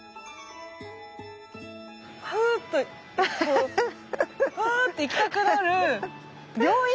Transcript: ふっとこうふわって行きたくなる病院！？